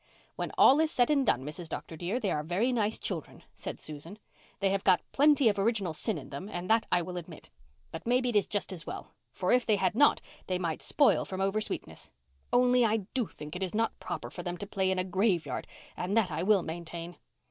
"When all is said and done, Mrs. Dr. dear, they are very nice children," said Susan. "They have got plenty of original sin in them and that I will admit, but maybe it is just as well, for if they had not they might spoil from over sweetness. Only I do think it is not proper for them to play in a graveyard and that I will maintain."